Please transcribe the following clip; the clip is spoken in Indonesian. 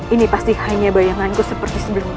ini pasti hanya bayanganku seperti sebelumnya